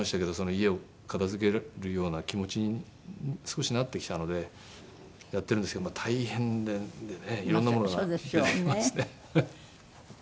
家を片付けれるような気持ちに少しなってきたのでやってるんですけど大変でねえ色んなものが出てきまして。